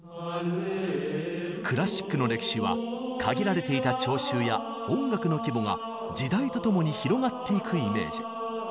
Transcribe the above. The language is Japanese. クラシックの歴史は限られていた聴衆や音楽の規模が時代とともに広がっていくイメージ。